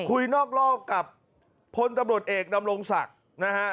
คุยนอกรอบกับพลตำรวจเอกเดามลงสักนะฮะ